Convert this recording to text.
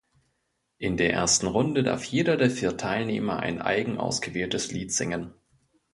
In der ersten Runde darf jeder der vier Teilnehmer ein eigen ausgewähltes Lied singen.